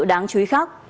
đáng chú ý khác